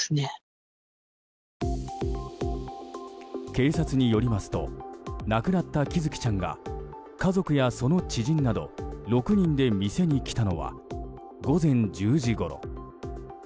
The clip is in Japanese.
警察によりますと亡くなった喜寿生ちゃんが家族やその知人など６人で店に来たのは午前１０時ごろ。